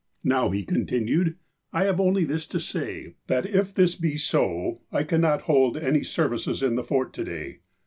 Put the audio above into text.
''Now," he continued, ''I have only this to say ; that if this be so, I cannot hold any services in the Fort to day.